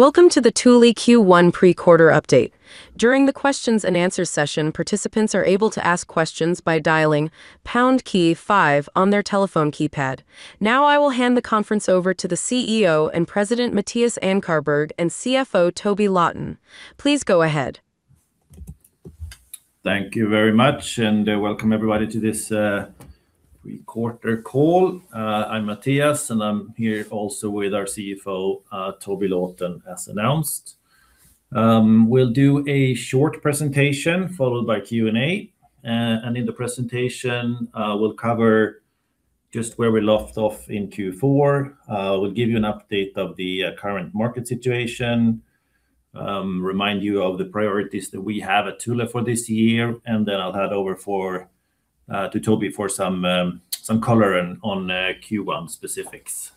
Welcome to the Thule Q1 pre-quarter update. During the questions and answers session, participants are able to ask questions by dialing pound key five on their telephone keypad. Now I will hand the conference over to the CEO and President, Mattias Ankarberg, and CFO, Toby Lawton. Please go ahead. Thank you very much, and welcome everybody to this pre-quarter call. I'm Mattias, and I'm here also with our CFO, Toby Lawton, as announced. We'll do a short presentation followed by Q&A. In the presentation, we'll cover just where we left off in Q4. We'll give you an update of the current market situation, remind you of the priorities that we have at Thule for this year, and then I'll hand over to Toby for some color on Q1 specifics.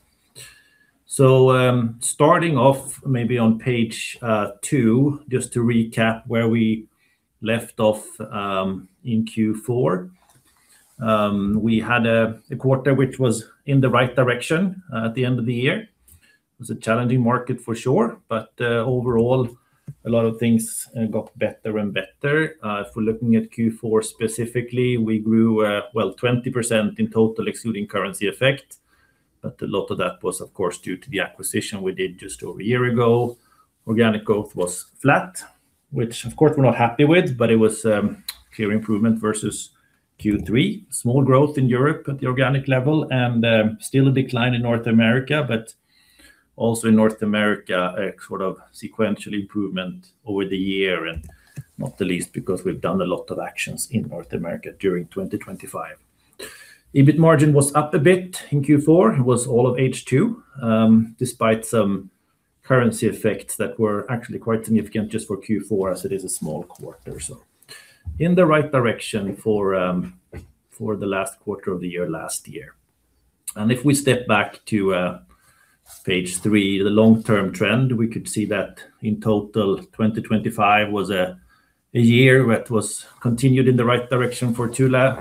Starting off maybe on page two, just to recap where we left off in Q4. We had a quarter which was in the right direction at the end of the year. It was a challenging market for sure, but overall a lot of things got better and better. If we're looking at Q4 specifically, we grew well 20% in total excluding currency effect, but a lot of that was of course due to the acquisition we did just over a year ago. Organic growth was flat, which of course we're not happy with, but it was clear improvement versus Q3. Small growth in Europe at the organic level and still a decline in North America. Also in North America, a sort of sequential improvement over the year and not the least because we've done a lot of actions in North America during 2025. EBIT margin was up a bit in Q4. It was all of H2, despite some currency effects that were actually quite significant just for Q4 as it is a small quarter in the right direction for the last quarter of the year last year. If we step back to page 3, the long-term trend, we could see that in total, 2025 was a year that continued in the right direction for Thule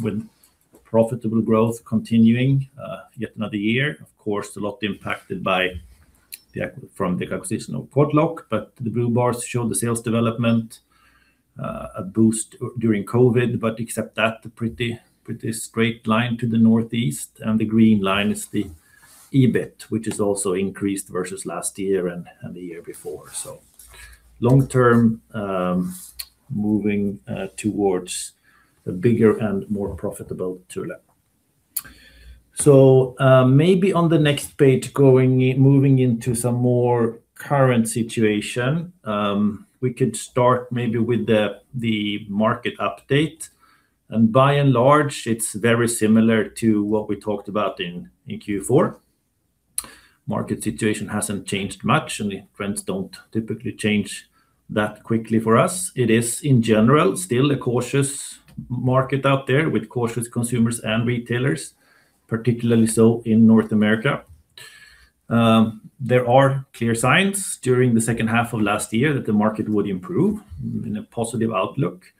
with profitable growth continuing yet another year. Of course, a lot impacted by the acquisition of Quad Lock, but the blue bars show the sales development, a boost during COVID, but except that pretty straight line to the northeast and the green line is the EBIT, which has also increased versus last year and the year before. Long-term, moving towards a bigger and more profitable Thule. Maybe on the next page, moving into some more current situation, we could start maybe with the market update. By and large, it's very similar to what we talked about in Q4. Market situation hasn't changed much, and the trends don't typically change that quickly for us. It is in general still a cautious market out there with cautious consumers and retailers, particularly so in North America. There are clear signs during the second half of last year that the market would improve in a positive outlook.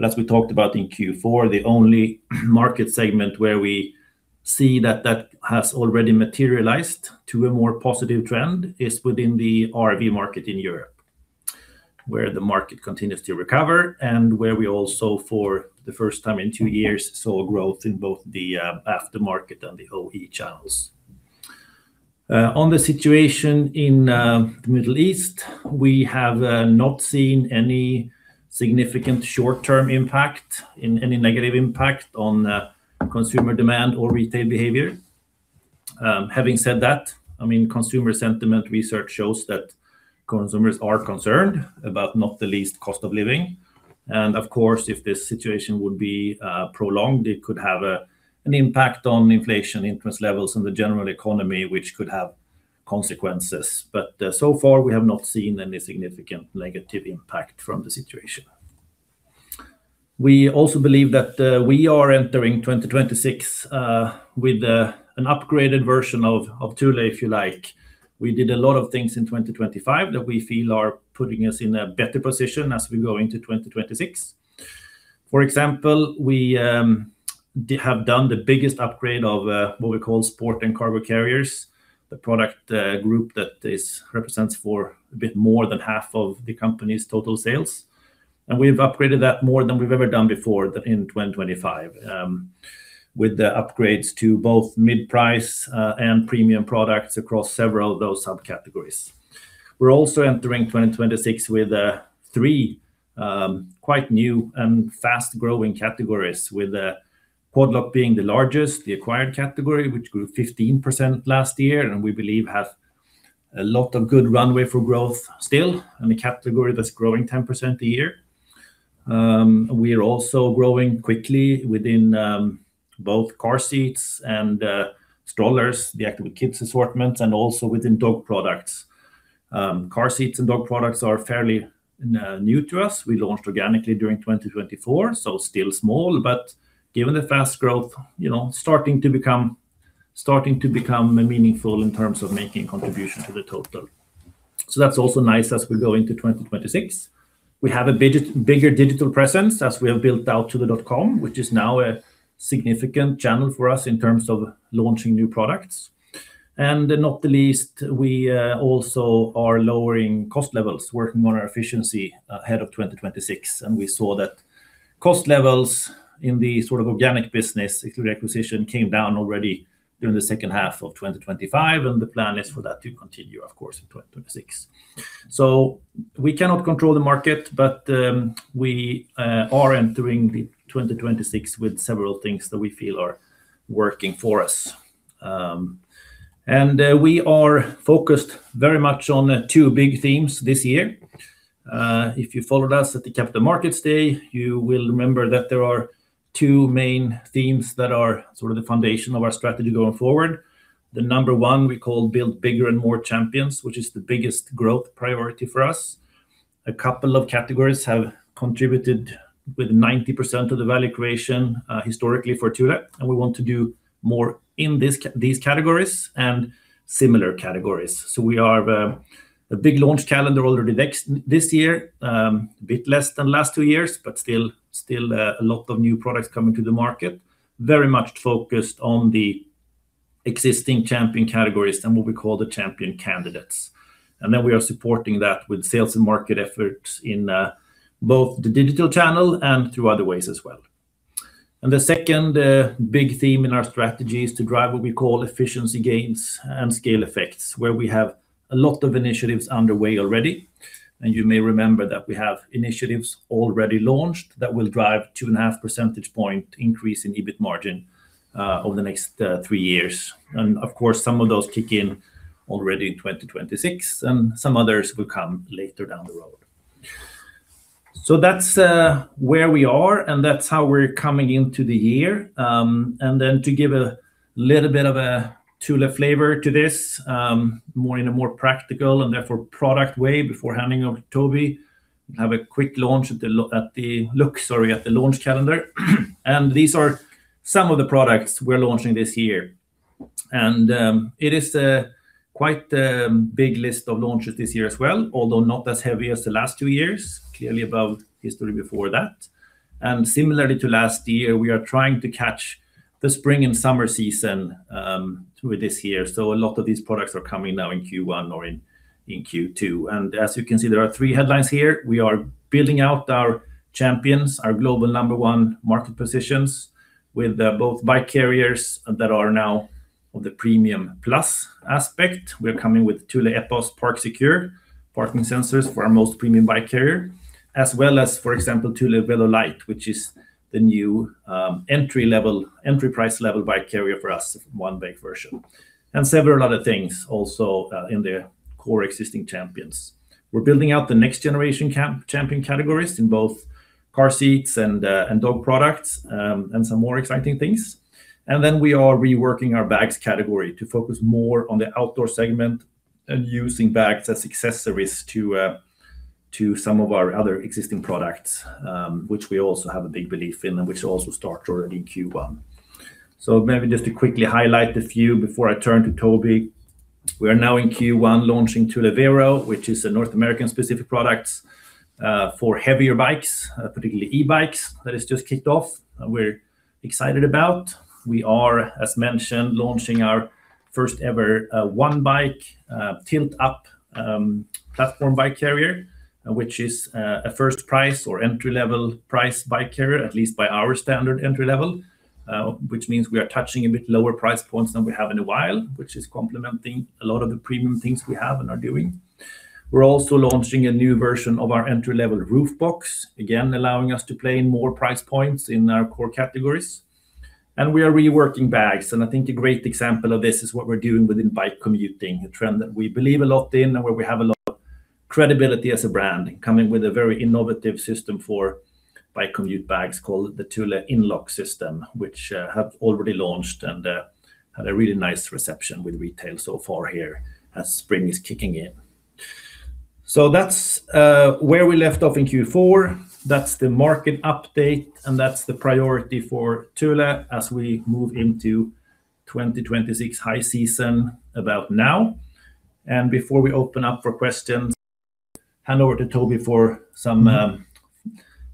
As we talked about in Q4, the only market segment where we see that has already materialized to a more positive trend is within the RV market in Europe, where the market continues to recover and where we also, for the first time in two years, saw growth in both the aftermarket and the OE channels. On the situation in the Middle East, we have not seen any significant short-term impact, any negative impact on consumer demand or retail behavior. Having said that, I mean, consumer sentiment research shows that consumers are concerned about not the least cost of living. Of course, if this situation would be prolonged, it could have an impact on inflation interest levels and the general economy, which could have consequences. So far, we have not seen any significant negative impact from the situation. We also believe that we are entering 2026 with an upgraded version of Thule, if you like. We did a lot of things in 2025 that we feel are putting us in a better position as we go into 2026. For example, we have done the biggest upgrade of what we call Sport and Cargo Carriers, the product group that represents for a bit more than half of the company's total sales. We've upgraded that more than we've ever done before in 2025 with the upgrades to both mid-price and premium products across several of those subcategories. We're also entering 2026 with three quite new and fast-growing categories with Quad Lock being the largest, the acquired category, which grew 15% last year, and we believe have a lot of good runway for growth still, and a category that's growing 10% a year. We are also growing quickly within both car seats and strollers, the Active with Kids assortment, and also within dog products. Car seats and dog products are fairly new to us. We launched organically during 2024, so still small, but given the fast growth, you know, starting to become meaningful in terms of making contribution to the total. That's also nice as we go into 2026. We have a bigger digital presence as we have built out thule.com, which is now a significant channel for us in terms of launching new products. Not the least, we also are lowering cost levels, working on our efficiency ahead of 2026. We saw that cost levels in the sort of organic business, including acquisition, came down already during the second half of 2025, and the plan is for that to continue, of course, in 2026. We cannot control the market, but we are entering 2026 with several things that we feel are working for us. We are focused very much on two big themes this year. If you followed us at the Capital Markets Day, you will remember that there are two main themes that are sort of the foundation of our strategy going forward. The number one we call build bigger and more champions, which is the biggest growth priority for us. A couple of categories have contributed with 90% of the value creation, historically for Thule, and we want to do more in these categories and similar categories. We have a big launch calendar already this year, a bit less than last two years, but still a lot of new products coming to the market, very much focused on the existing champion categories and what we call the champion candidates. Then we are supporting that with sales and market efforts in both the digital channel and through other ways as well. The second big theme in our strategy is to drive what we call efficiency gains and scale effects, where we have a lot of initiatives underway already. You may remember that we have initiatives already launched that will drive 2.5 percentage point increase in EBIT margin over the next three years. Of course, some of those kick in already in 2026, and some others will come later down the road. That's where we are, and that's how we're coming into the year. To give a little bit of a Thule flavor to this, more in a practical and therefore product way before handing over to Toby, have a quick look at the launch calendar. These are some of the products we're launching this year. It is quite a big list of launches this year as well, although not as heavy as the last two years, clearly above history before that. Similarly to last year, we are trying to catch the spring and summer season with this year. A lot of these products are coming now in Q1 or in Q2. As you can see, there are three headlines here. We are building out our champions, our global number one market positions with both bike carriers that are now of the premium plus aspect. We're coming with Thule Epos ParkSecure parking sensors for our most premium bike carrier, as well as, for example, Thule Velo Light, which is the new entry-level entry price level bike carrier for us, one bike version. Several other things also in the core existing champions. We're building out the next generation champion categories in both car seats and dog products and some more exciting things. We are reworking our bags category to focus more on the outdoor segment and using bags as accessories to some of our other existing products, which we also have a big belief in and which also start already in Q1. Maybe just to quickly highlight a few before I turn to Toby. We are now in Q1 launching Thule Vero, which is a North American specific products for heavier bikes, particularly e-bikes, that has just kicked off. We're excited about. We are, as mentioned, launching our first ever one bike tilt up platform bike carrier, which is a first price or entry-level price bike carrier, at least by our standard entry-level, which means we are touching a bit lower price points than we have in a while, which is complementing a lot of the premium things we have and are doing. We're also launching a new version of our entry-level roof box, again, allowing us to play in more price points in our core categories. We are reworking bags. I think a great example of this is what we're doing within bike commuting, a trend that we believe a lot in and where we have a lot of credibility as a brand, coming with a very innovative system for bike commute bags called the Thule InLock system, which have already launched and had a really nice reception with retail so far here as spring is kicking in. So that's where we left off in Q4. That's the market update, and that's the priority for Thule as we move into 2026 high season about now. Before we open up for questions, hand over to Toby for some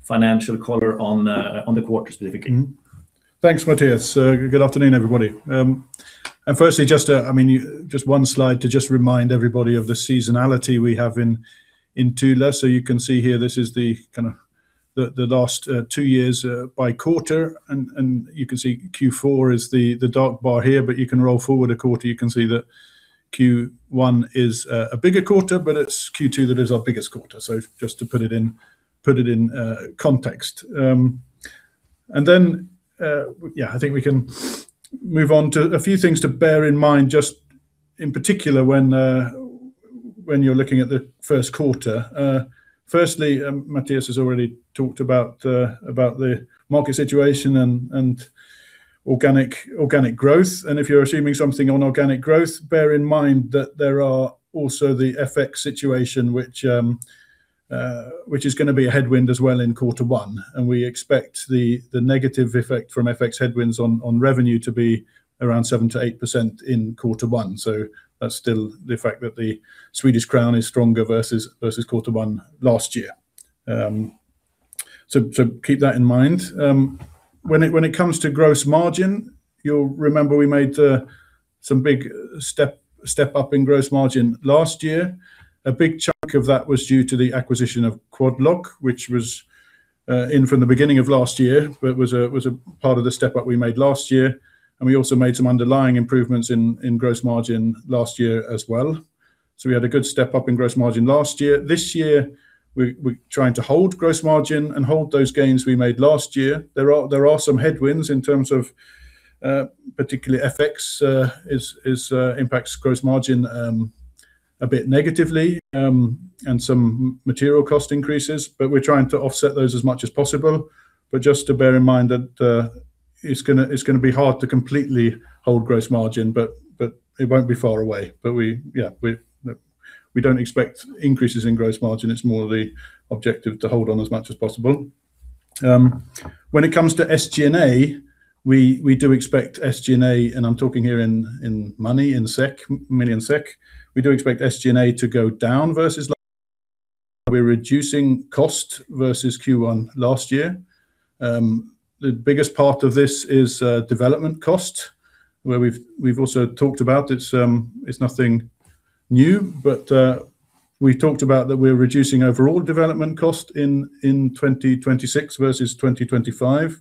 financial color on the quarter specifically. Thanks, Mattias. Good afternoon, everybody. I mean, just one slide to remind everybody of the seasonality we have in Thule. You can see here, this is kind of the last two years by quarter. You can see Q4 is the dark bar here, but you can roll forward a quarter. You can see that Q1 is a bigger quarter, but it's Q2 that is our biggest quarter. Just to put it in context. I think we can move on to a few things to bear in mind just in particular when you're looking at the first quarter. Firstly, Mattias has already talked about the market situation and organic growth. If you're assuming something on organic growth, bear in mind that there are also the FX situation which is gonna be a headwind as well in quarter one. We expect the negative effect from FX headwinds on revenue to be around 7%-8% in quarter one. That's still the fact that the Swedish crown is stronger versus quarter one last year. Keep that in mind. When it comes to gross margin, you'll remember we made some big step up in gross margin last year. A big chunk of that was due to the acquisition of Quad Lock, which was in from the beginning of last year. It was a part of the step up we made last year, and we also made some underlying improvements in gross margin last year as well. We had a good step up in gross margin last year. This year we're trying to hold gross margin and hold those gains we made last year. There are some headwinds in terms of particularly FX impacts gross margin a bit negatively and some material cost increases, but we're trying to offset those as much as possible. Just to bear in mind that it's gonna be hard to completely hold gross margin, but it won't be far away. We, yeah, we don't expect increases in gross margin. It's more the objective to hold on as much as possible. When it comes to SG&A, we do expect SG&A, and I'm talking here in money, in SEK, million SEK. We do expect SG&A to go down versus last year. We're reducing cost versus Q1 last year. The biggest part of this is development cost, where we've also talked about it. It's nothing new, but we talked about that we are reducing overall development cost in 2026 versus 2025.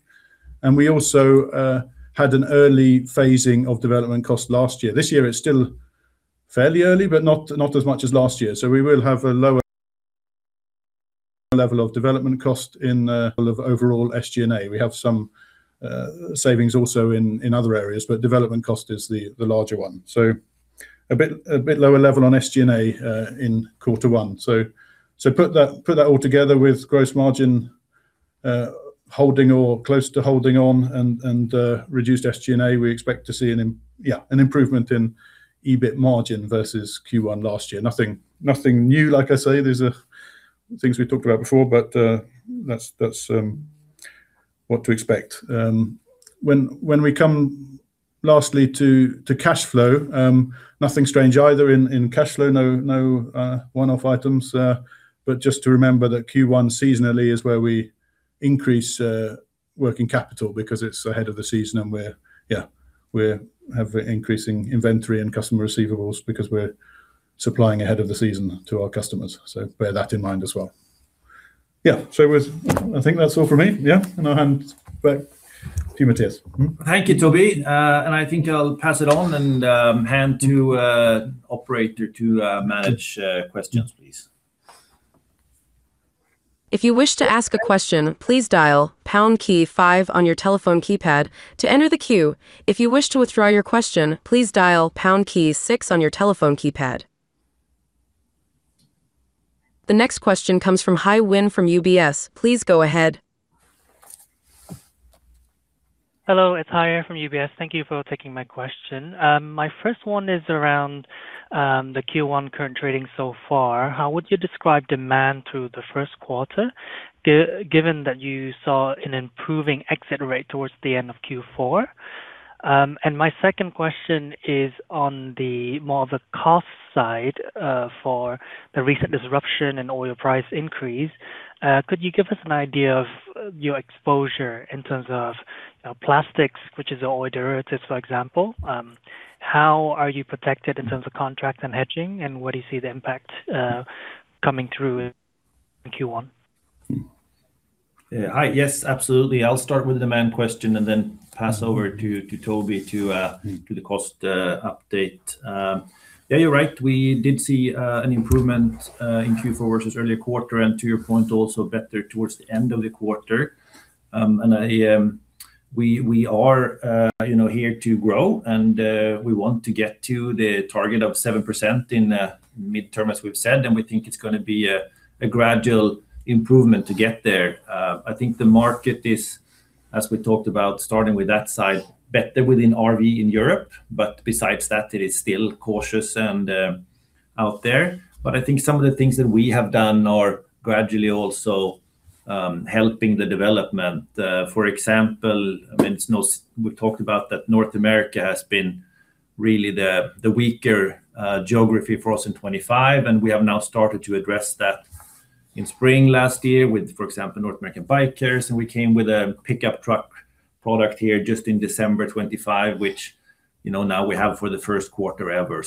We also had an early phasing of development cost last year. This year it's still fairly early, but not as much as last year. We will have a lower level of development cost in overall SG&A. We have some savings also in other areas, but development cost is the larger one. A bit lower level on SG&A in quarter one. Put that all together with gross margin holding or close to holding on and reduced SG&A, we expect to see an improvement in EBIT margin versus Q1 last year. Nothing new, like I say, these are things we talked about before, but that's what to expect. When we come lastly to cash flow, nothing strange either in cash flow, no one-off items. But just to remember that Q1 seasonally is where we increase working capital because it's ahead of the season and we have increasing inventory and customer receivables because we're supplying ahead of the season to our customers. Bear that in mind as well. Yeah. I think that's all for me. Yeah. I'll hand back to Mattias. Mm-hmm. Thank you, Toby. I think I'll pass it on and hand to operator to manage questions, please. If you wish to ask a question, please dial pound key five on your telephone keypad to enter the queue. If you wish to withdraw your question, please dial pound key six on your telephone keypad. The next question comes from Louise Wiseur from UBS. Please go ahead. Hello, it's Louise Wiseur from UBS. Thank you for taking my question. My first one is around the Q1 current trading so far. How would you describe demand through the first quarter given that you saw an improving exit rate towards the end of Q4? My second question is on the more of the cost side for the recent disruption and oil price increase. Could you give us an idea of your exposure in terms of plastics, which is oil derivatives, for example? How are you protected in terms of contracts and hedging, and what do you see the impact coming through in Q1? Yeah. Hi. Yes, absolutely. I'll start with the demand question and then pass over to Toby to the cost update. Yeah, you're right. We did see an improvement in Q4 versus earlier quarter, and to your point, also better towards the end of the quarter. We are, you know, here to grow and we want to get to the target of 7% in midterm, as we've said, and we think it's gonna be a gradual improvement to get there. I think the market is, as we talked about starting with that side, better within RV in Europe, but besides that, it is still cautious and out there. I think some of the things that we have done are gradually also helping the development. For example, I mean, it's no secret we've talked about that North America has been really the weaker geography for us in 2025, and we have now started to address that in spring last year with, for example, North American bike carriers, and we came with a pickup truck product here just in December 2025, which, you know, now we have for the first quarter ever.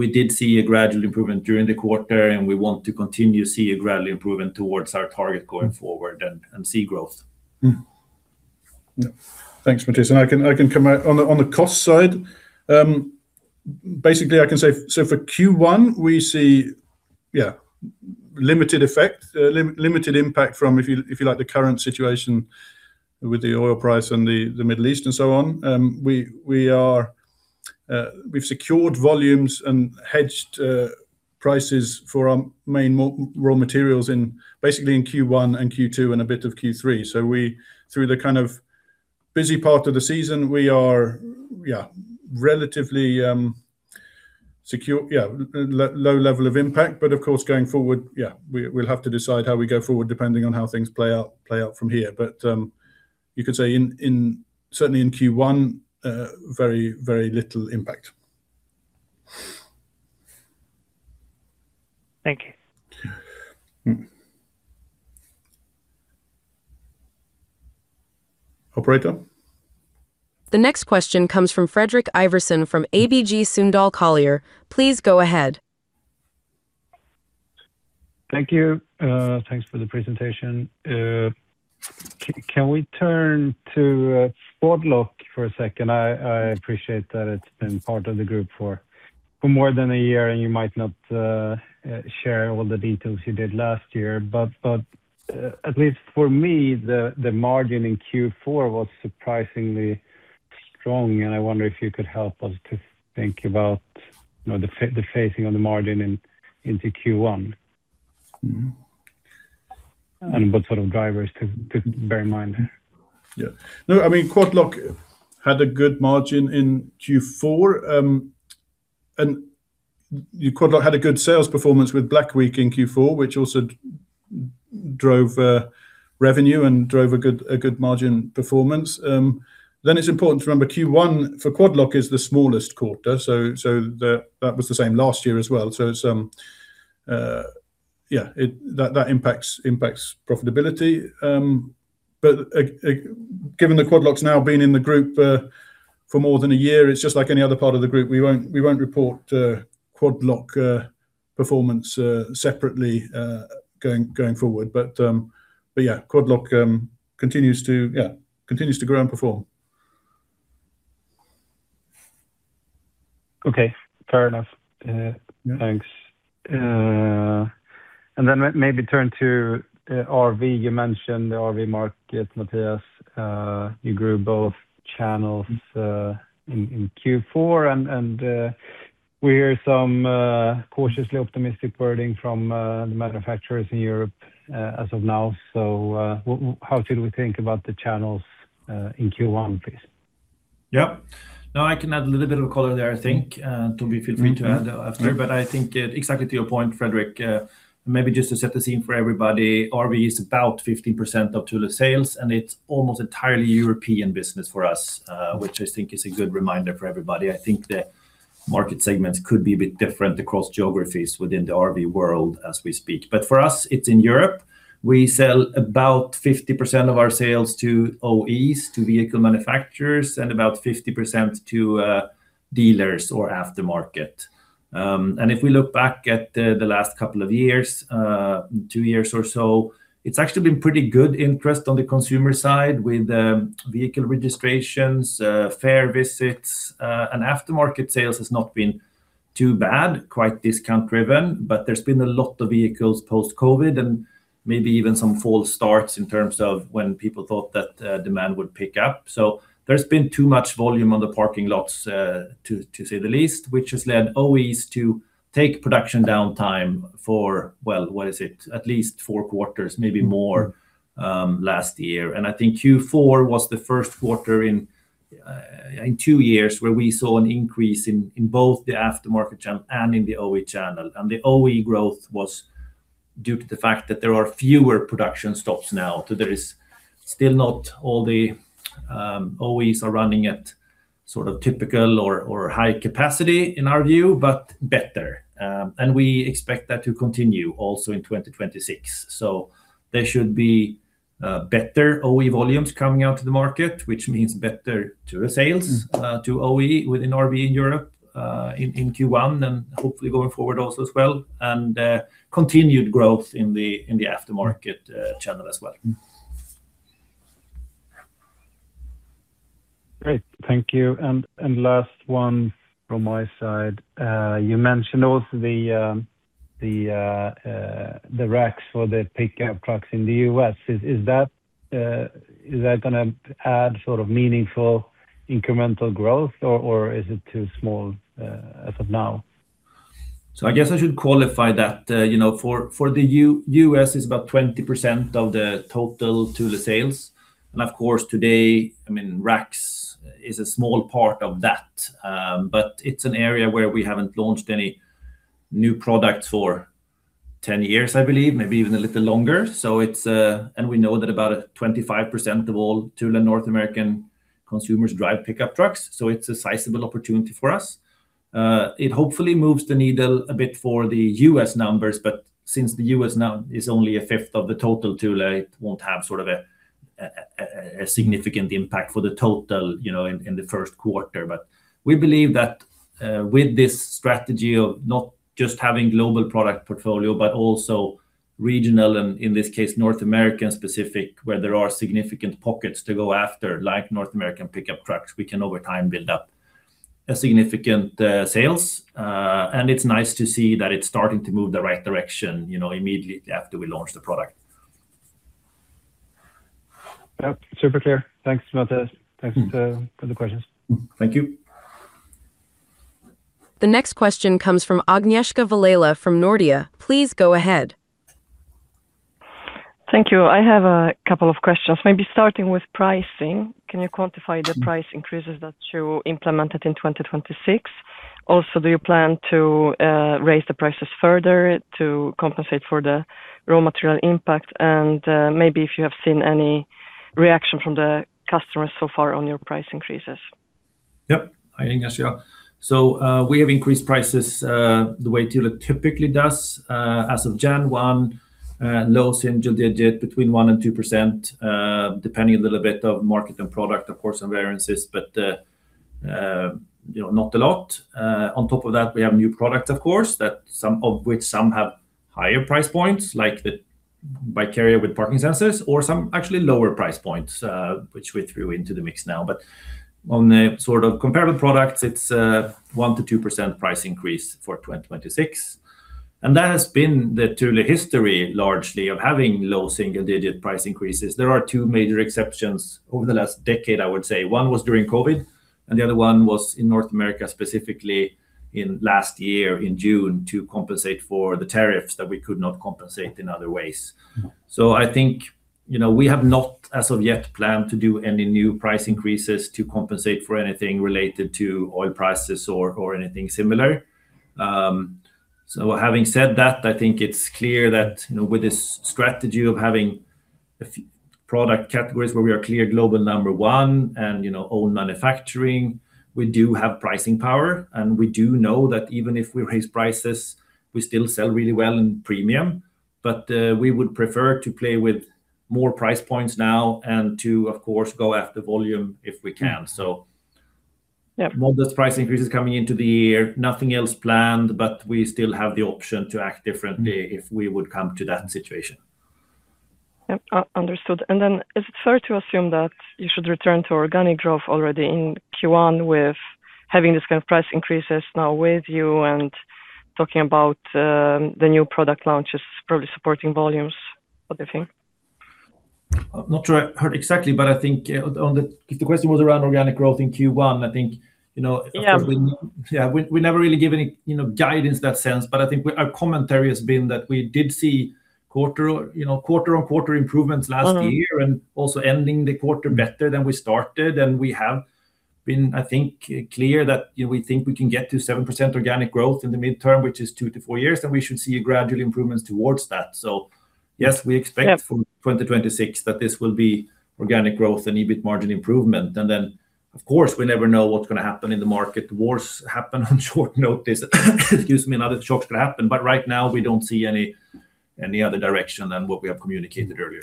We did see a gradual improvement during the quarter, and we want to continue to see a gradual improvement towards our target going forward and see growth. Yeah. Thanks, Mattias. I can come out. On the cost side, basically I can say for Q1 we see limited effect, limited impact from if you like the current situation with the oil price and the Middle East and so on. We've secured volumes and hedged prices for our main raw materials basically in Q1 and Q2 and a bit of Q3. Through the kind of busy part of the season, we are relatively secure, low level of impact. Of course, going forward, we'll have to decide how we go forward depending on how things play out from here. You could say certainly in Q1, very little impact. Thank you. Mm-hmm. Operator? The next question comes from Fredrik Ivarsson from ABG Sundal Collier. Please go ahead. Thank you. Thanks for the presentation. Can we turn to Quad Lock for a second? I appreciate that it's been part of the group for more than a year, and you might not share all the details you did last year. At least for me, the margin in Q4 was surprisingly strong, and I wonder if you could help us to think about, you know, the phasing of the margin into Q1. Mm-hmm. What sort of drivers to bear in mind there. Yeah. No, I mean, Quad Lock had a good margin in Q4. Quad Lock had a good sales performance with Black Week in Q4, which also drove revenue and drove a good margin performance. It's important to remember Q1 for Quad Lock is the smallest quarter. That was the same last year as well. It impacts profitability. Given that Quad Lock's now been in the group for more than a year, it's just like any other part of the group. We won't report Quad Lock performance separately going forward. Quad Lock continues to grow and perform. Okay. Fair enough. Thanks. Yeah. Maybe turn to RV. You mentioned the RV market, Mattias. You grew both channels in Q4. We hear some cautiously optimistic wording from the manufacturers in Europe as of now. How should we think about the channels in Q1, please? Yeah. No, I can add a little bit of color there, I think. Toby, feel free to add after. I think, exactly to your point, Fredrik, maybe just to set the scene for everybody, RV is about 15% of Thule sales, and it's almost entirely European business for us, which I think is a good reminder for everybody. I think the market segments could be a bit different across geographies within the RV world as we speak. For us, it's in Europe. We sell about 50% of our sales to OEs, to vehicle manufacturers, and about 50% to dealers or aftermarket. If we look back at the last couple of years, two years or so, it's actually been pretty good interest on the consumer side with vehicle registrations, fair visits. Aftermarket sales has not been too bad, quite discount-driven, but there's been a lot of vehicles post-COVID and maybe even some false starts in terms of when people thought that demand would pick up. There's been too much volume on the parking lots, to say the least, which has led OEs to take production downtime for, well, what is it? At least four quarters, maybe more, last year. I think Q4 was the first quarter in two years where we saw an increase in both the aftermarket channel and in the OE channel. The OE growth was due to the fact that there are fewer production stops now. There is still not all the OEs are running at sort of typical or high capacity in our view, but better. We expect that to continue also in 2026. There should be better OE volumes coming out to the market, which means better Thule sales to OE within RV in Europe in Q1 and hopefully going forward also as well. Continued growth in the aftermarket channel as well. Great. Thank you. Last one from my side. You mentioned also the racks for the pickup trucks in the U.S. Is that gonna add sort of meaningful incremental growth or is it too small as of now? I guess I should qualify that. You know, for the U.S. it's about 20% of the total Thule sales. Of course today, I mean, racks is a small part of that. But it's an area where we haven't launched any new products for 10 years, I believe, maybe even a little longer. It's. We know that about 25% of all Thule North American consumers drive pickup trucks, so it's a sizable opportunity for us. It hopefully moves the needle a bit for the U.S. numbers, but since the U.S. now is only a fifth of the total Thule, it won't have sort of a significant impact for the total, you know, in the first quarter. We believe that with this strategy of not just having global product portfolio, but also regional and in this case North American-specific, where there are significant pockets to go after, like North American pickup trucks, we can over time build up a significant sales. It's nice to see that it's starting to move in the right direction, you know, immediately after we launch the product. Yep. Super clear. Thanks, Mattias. Thanks for the questions. Thank you. The next question comes from Agnieszka Vilela from Nordea. Please go ahead. Thank you. I have a couple of questions. Maybe starting with pricing. Can you quantify the price increases that you implemented in 2026? Also, do you plan to raise the prices further to compensate for the raw material impact? And, maybe if you have seen any reaction from the customers so far on your price increases? Hi, Agnieszka. We have increased prices the way Thule typically does as of January 1, low single-digit 1%-2%, depending a little bit on market and product, of course, and variances, but you know, not a lot. On top of that, we have new products, of course, some of which have higher price points like the Epos ParkSecure or some actually lower price points, which we threw into the mix now. On the sort of comparable products, it's 1%-2% price increase for 2026. That has been the Thule history largely of having low single-digit price increases. There are two major exceptions over the last decade, I would say. One was during COVID, and the other one was in North America, specifically in last year in June to compensate for the tariffs that we could not compensate in other ways. Mm-hmm. I think, you know, we have not as of yet planned to do any new price increases to compensate for anything related to oil prices or anything similar. Having said that, I think it's clear that, you know, with this strategy of having product categories where we are clear global number one and, you know, own manufacturing, we do have pricing power, and we do know that even if we raise prices, we still sell really well in premium. But we would prefer to play with more price points now and to of course go after volume if we can. Yeah. Modest price increases coming into the year, nothing else planned, but we still have the option to act differently if we would come to that situation. Yep. Understood. Is it fair to assume that you should return to organic growth already in Q1 with having this kind of price increases now with you and talking about, the new product launches probably supporting volumes? What do you think? Not sure I heard exactly, but I think if the question was around organic growth in Q1, I think, you know. Yeah. Of course, yeah, we never really give any, you know, guidance in that sense, but I think our commentary has been that we did see quarter, you know, quarter-over-quarter improvements last year. Mm-hmm. Also ending the quarter better than we started. We have been, I think, clear that, you know, we think we can get to 7% organic growth in the midterm, which is 2-4 years, then we should see gradual improvements towards that. Yes, we expect- Yeah. From 2026 that this will be organic growth and EBIT margin improvement. Of course, we never know what's gonna happen in the market. Wars happen on short notice. Excuse me. Another shock could happen, but right now we don't see any other direction than what we have communicated earlier.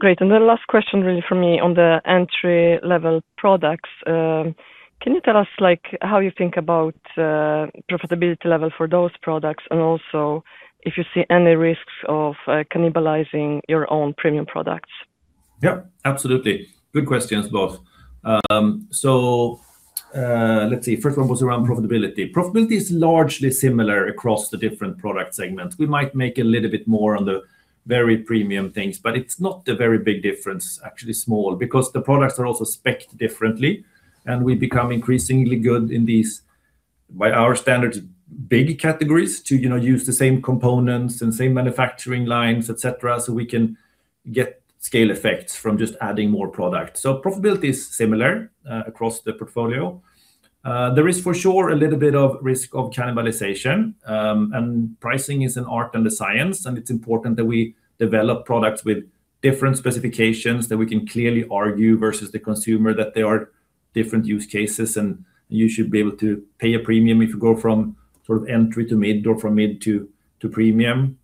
Great. The last question really for me on the entry level products, can you tell us like how you think about profitability level for those products and also if you see any risks of cannibalizing your own premium products? Yeah, absolutely. Good questions both. First one was around profitability. Profitability is largely similar across the different product segments. We might make a little bit more on the very premium things, but it's not a very big difference, actually small, because the products are also spec'd differently, and we become increasingly good in these, by our standards, baby categories too, you know, use the same components and same manufacturing lines, et cetera, so we can get scale effects from just adding more product. Profitability is similar across the portfolio. There is for sure a little bit of risk of cannibalization, and pricing is an art and a science, and it's important that we develop products with different specifications that we can clearly argue versus the consumer that there are different use cases, and you should be able to pay a premium if you go from sort of entry to mid or from mid to premium.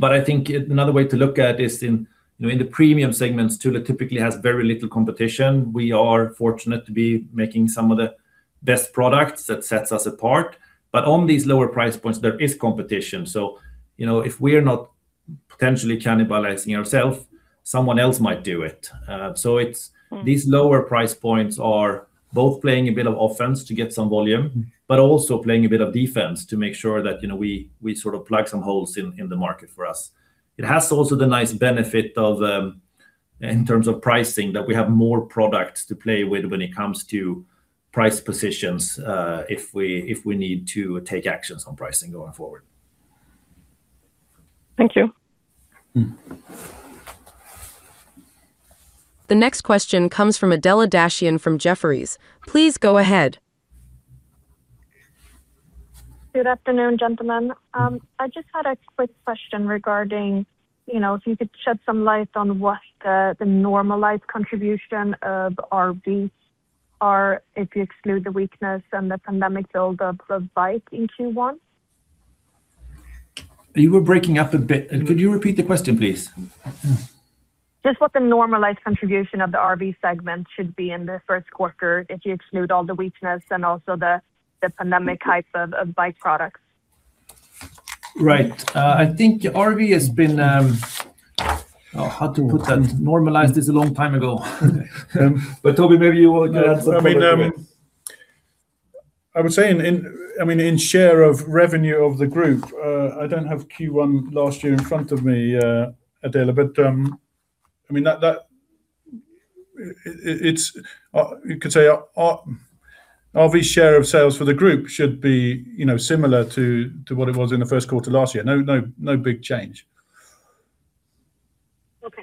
But I think another way to look at it is, you know, in the premium segments, Thule typically has very little competition. We are fortunate to be making some of the best products that sets us apart. But on these lower price points, there is competition. So, you know, if we're not potentially cannibalizing ourself, someone else might do it. It's these lower price points are both playing a bit of offense to get some volume, but also playing a bit of defense to make sure that, you know, we sort of plug some holes in the market for us. It has also the nice benefit of, in terms of pricing, that we have more products to play with when it comes to price positions, if we need to take actions on pricing going forward. Thank you. Mm-hmm. The next question comes from Adela Dashian from Jefferies. Please go ahead. Good afternoon, gentlemen. I just had a quick question regarding, you know, if you could shed some light on what the normalized contribution of RV are if you exclude the weakness and the pandemic build up of bike in Q1. You were breaking up a bit. Could you repeat the question, please? Just what the normalized contribution of the RV segment should be in the first quarter if you exclude all the weakness and also the pandemic hype of bike products? Right. I think RV has been, how to put that? Normalized is a long time ago. Toby, maybe you will add something. I mean, I would say in share of revenue of the group, I don't have Q1 last year in front of me, Adela, but I mean, that it's you could say RV share of sales for the group should be, you know, similar to what it was in the first quarter last year. No big change. Okay.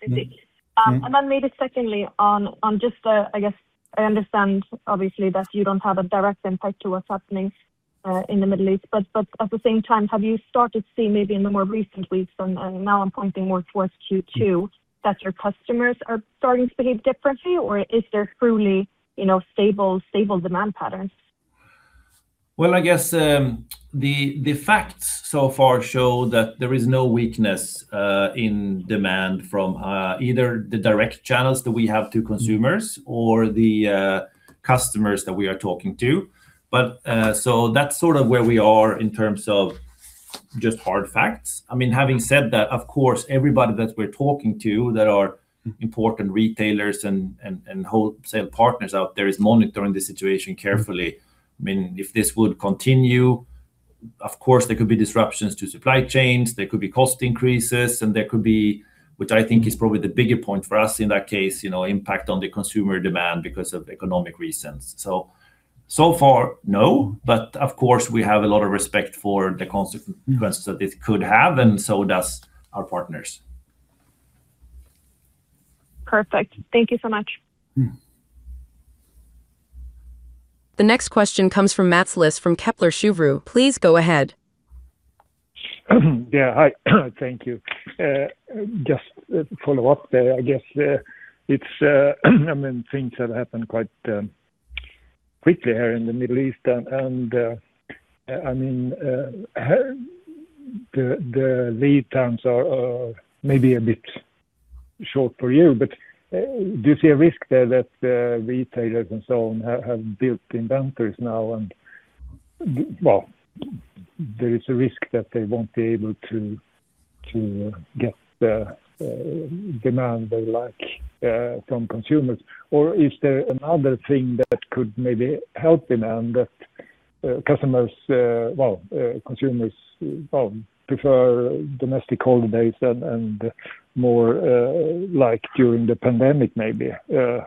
Thank you. Mm-hmm. Maybe secondly on just, I guess I understand obviously that you don't have a direct insight to what's happening. in the Middle East. At the same time, have you started to see maybe in the more recent weeks, and now I'm pointing more towards Q2, that your customers are starting to behave differently? Or is there truly, you know, stable demand patterns? Well, I guess, the facts so far show that there is no weakness in demand from either the direct channels that we have to consumers or the customers that we are talking to. So that's sort of where we are in terms of just hard facts. I mean, having said that, of course, everybody that we're talking to that are important retailers and wholesale partners out there is monitoring the situation carefully. I mean, if this would continue, of course, there could be disruptions to supply chains, there could be cost increases, and there could be, which I think is probably the bigger point for us in that case, you know, impact on the consumer demand because of economic reasons. So far, no. Of course, we have a lot of respect for the consequences that this could have, and so does our partners. Perfect. Thank you so much. Mm. The next question comes from Mats Liss from Kepler Cheuvreux. Please go ahead. Yeah. Hi. Thank you. Just follow up there, I guess. It's, I mean, things have happened quite quickly here in the Middle East. I mean, the lead times are maybe a bit short for you. Do you see a risk there that retailers and so on have built inventories now and well, there is a risk that they won't be able to get the demand they like from consumers? Is there another thing that could maybe help in and that customers, well, consumers, well, prefer domestic holidays and more like during the pandemic maybe? I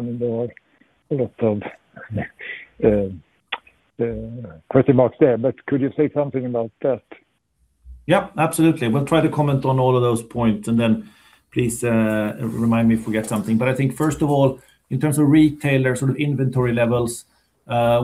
mean, there are a lot of question marks there, but could you say something about that? Yeah, absolutely. We'll try to comment on all of those points and then please, remind me if we get something. I think first of all, in terms of retailer sort of inventory levels,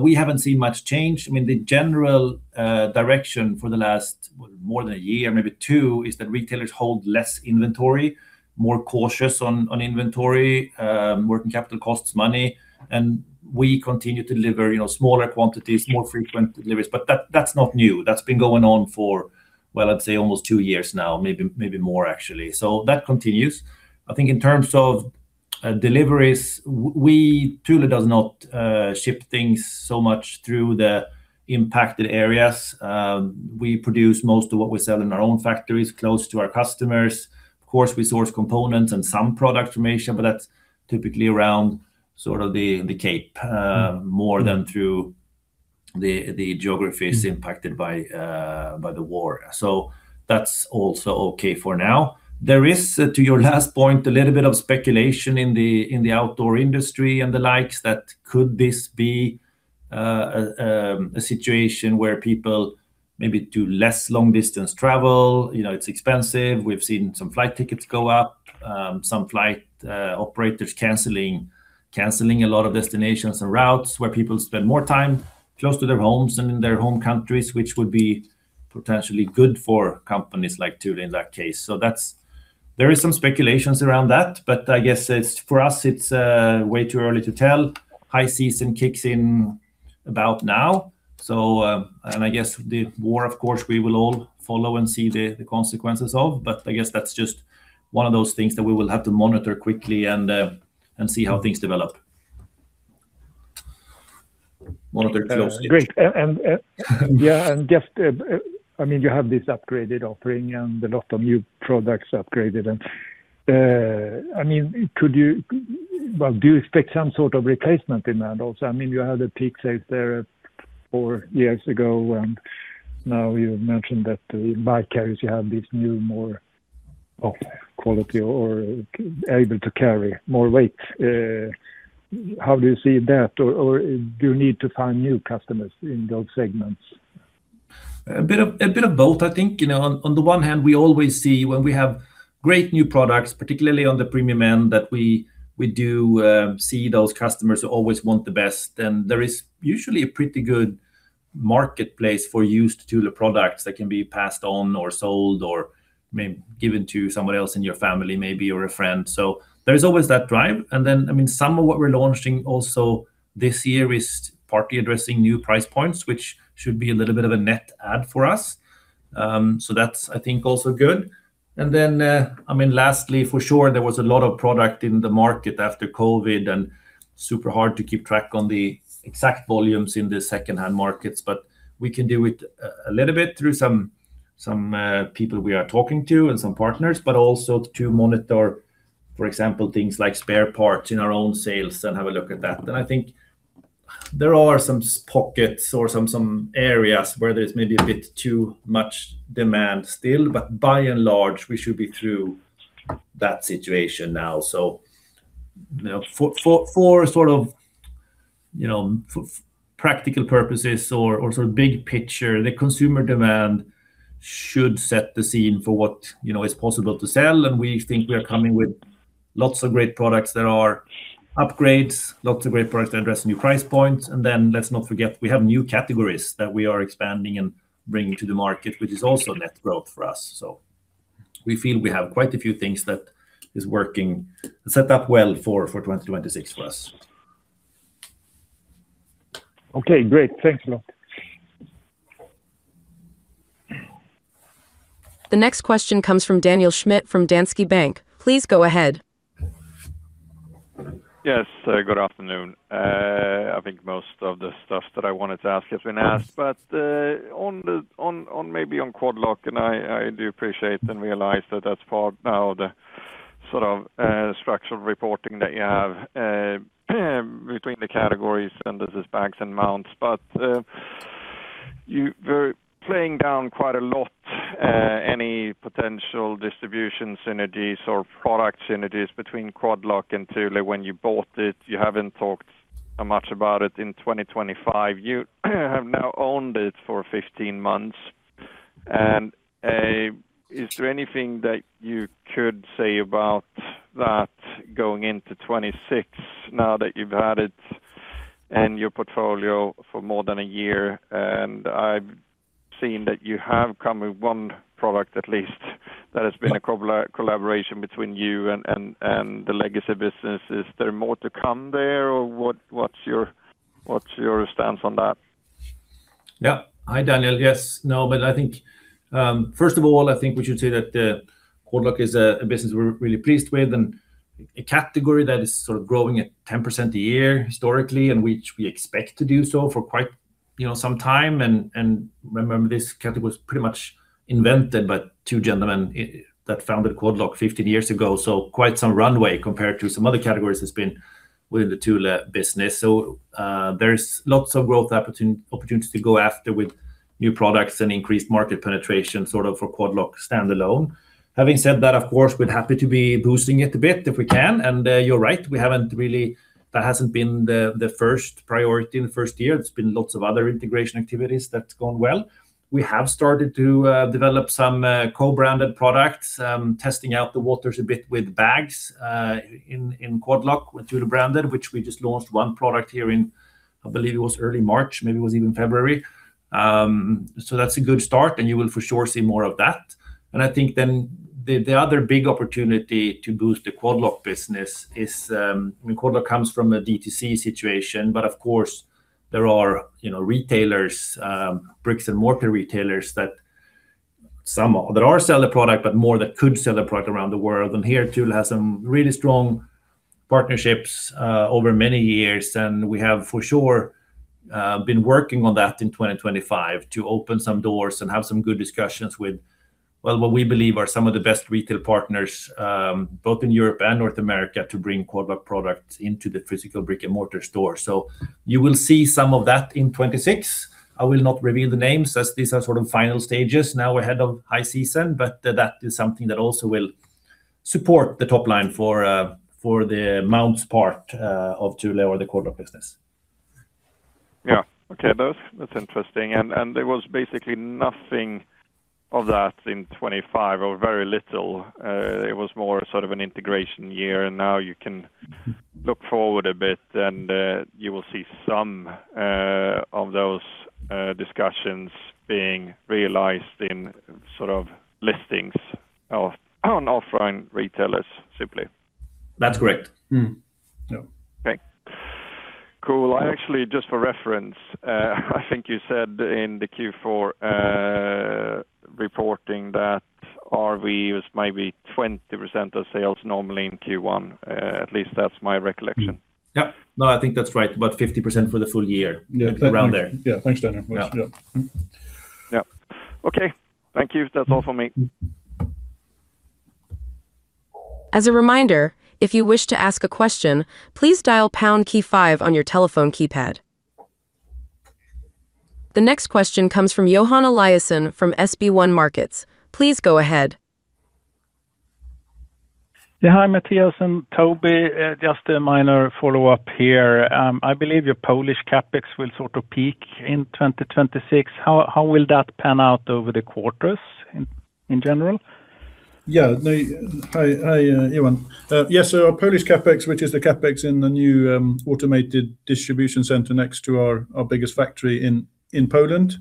we haven't seen much change. I mean, the general direction for the last more than a year, maybe two, is that retailers hold less inventory, more cautious on inventory. Working capital costs money, and we continue to deliver, you know, smaller quantities, more frequent deliveries. That, that's not new. That's been going on for, well, I'd say almost two years now, maybe more actually. That continues. I think in terms of deliveries, Thule does not ship things so much through the impacted areas. We produce most of what we sell in our own factories close to our customers. Of course, we source components and some product from Asia, but that's typically around sort of the Cape, more than through the geographies impacted by the war. That's also okay for now. There is, to your last point, a little bit of speculation in the outdoor industry and the likes that could this be a situation where people maybe do less long distance travel, you know, it's expensive. We've seen some flight tickets go up, some flight operators canceling a lot of destinations and routes where people spend more time close to their homes and in their home countries, which would be potentially good for companies like Thule in that case. That's there is some speculations around that, but I guess it's, for us, it's way too early to tell. High season kicks in about now. I guess the war, of course, we will all follow and see the consequences of, but I guess that's just one of those things that we will have to monitor quickly and see how things develop. Monitor closely. Great. Just, I mean, you have this upgraded offering and a lot of new products upgraded and, I mean, could you? Well, do you expect some sort of replacement in that also? I mean, you had the peak sales there four years ago, and now you've mentioned that in bike carriers you have these new more, well, quality or able to carry more weight. How do you see that? Or do you need to find new customers in those segments? A bit of both, I think. You know, on the one hand, we always see when we have great new products, particularly on the premium end, that we do see those customers who always want the best, and there is usually a pretty good marketplace for used Thule products that can be passed on or sold or maybe given to someone else in your family maybe, or a friend. There's always that drive. Then, I mean, some of what we're launching also this year is partly addressing new price points, which should be a little bit of a net add for us. That's, I think, also good. I mean, lastly, for sure, there was a lot of product in the market after COVID and super hard to keep track on the exact volumes in the secondhand markets, but we can do it a little bit through some people we are talking to and some partners, but also to monitor, for example, things like spare parts in our own sales and have a look at that. I think there are some pockets or some areas where there's maybe a bit too much demand still, but by and large, we should be through that situation now. You know, for sort of practical purposes or sort of big picture, the consumer demand should set the scene for what, you know, is possible to sell, and we think we are coming with lots of great products that are upgrades, lots of great products that address new price points. Let's not forget, we have new categories that we are expanding and bringing to the market, which is also net growth for us. We feel we have quite a few things that is working, set up well for 2026 for us. Okay, great. Thanks a lot. The next question comes from Daniel Schmidt from Danske Bank. Please go ahead. Yes. Good afternoon. I think most of the stuff that I wanted to ask has been asked, but on Quad Lock, and I do appreciate and realize that that's part now of the sort of structural reporting that you have between the categories, and this is bags and mounts. But you were playing down quite a lot any potential distribution synergies or product synergies between Quad Lock and Thule when you bought it. You haven't talked much about it in 2025. You have now owned it for 15 months. Is there anything that you could say about that going into 2026 now that you've had it in your portfolio for more than a year? I've seen that you have come with one product, at least, that has been a collaboration between you and the legacy business. Is there more to come there, or what's your stance on that? Yeah. Hi, Daniel. Yes. No, I think, first of all, I think we should say that, Quad Lock is a business we're really pleased with and a category that is sort of growing at 10% a year historically, and which we expect to do so for quite, you know, some time and remember, this category was pretty much invented by two gentlemen that founded Quad Lock 15 years ago. Quite some runway compared to some other categories that's been within the Thule business. There's lots of growth opportunities to go after with new products and increased market penetration, sort of for Quad Lock standalone. Having said that, of course, we're happy to be boosting it a bit if we can. You're right, we haven't really. That hasn't been the first priority in the first year. It's been lots of other integration activities that's gone well. We have started to develop some co-branded products, testing out the waters a bit with bags in Quad Lock with Thule branded, which we just launched one product here in, I believe it was early March, maybe it was even February. That's a good start, and you will for sure see more of that. I think the other big opportunity to boost the Quad Lock business is, I mean, Quad Lock comes from a DTC situation, but of course, there are, you know, retailers, bricks and mortar retailers that some that are sell the product, but more that could sell the product around the world. Here, Thule has some really strong partnerships over many years. We have for sure been working on that in 2025 to open some doors and have some good discussions with, well, what we believe are some of the best retail partners, both in Europe and North America to bring Quad Lock products into the physical brick-and-mortar store. You will see some of that in 2026. I will not reveal the names as these are sort of final stages now ahead of high season, but that is something that also will support the top line for the mounts part, of Thule or the Quad Lock business. Yeah. Okay. That's interesting. There was basically nothing of that in 2025 or very little. It was more sort of an integration year, and now you can look forward a bit and you will see some of those discussions being realized in sort of listings on offline retailers, simply. That's correct. Mm-hmm. Yeah. Okay. Cool. I actually, just for reference, I think you said in the Q4 reporting that RV was maybe 20% of sales normally in Q1, at least that's my recollection. Yeah. No, I think that's right. About 50% for the full year. Yeah. Around there. Yeah. Thanks, Daniel. Yeah. Yeah. Yeah. Okay. Thank you. That's all for me. As a reminder, if you wish to ask a question, please dial pound key five on your telephone keypad. The next question comes from Johan Eliason from SB1 Markets. Please go ahead. Hi, Mattias and Toby. Just a minor follow-up here. I believe your Polish CapEx will sort of peak in 2026. How will that pan out over the quarters in general? Hi, Johan. Yes, our Polish CapEx, which is the CapEx in the new automated distribution center next to our biggest factory in Poland,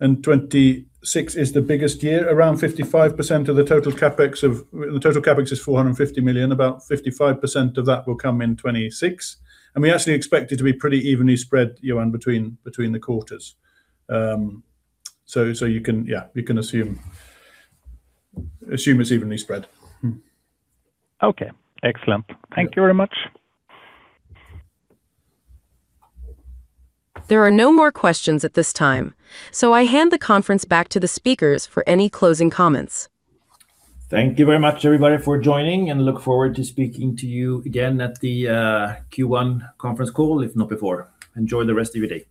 and 2026 is the biggest year. Around 55% of the total CapEx. The total CapEx is 450 million. About 55% of that will come in 2026, and we actually expect it to be pretty evenly spread, Johan, between the quarters. You can assume it's evenly spread. Okay. Excellent. Thank you very much. There are no more questions at this time, so I hand the conference back to the speakers for any closing comments. Thank you very much, everybody, for joining, and I look forward to speaking to you again at the Q1 conference call, if not before. Enjoy the rest of your day.